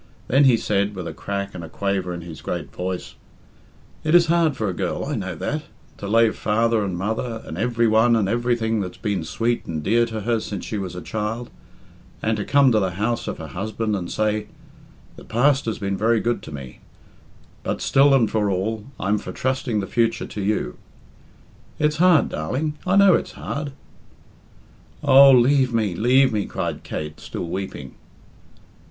Then he said, with a crack and a quaver in his great voice, "It is hard for a girl, I know that, to lave father and mother and every one and everything that's been sweet and dear to her since she was a child, and to come to the house of her husband and say, 'The past has been very good to me; but still and for all, I'm for trusting the future to you.' It's hard, darling; I know it's hard." "Oh, leave me! leave me!" cried Kate, still weeping.